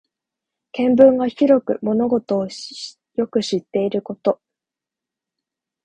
見聞が広く物事をよく知っていること。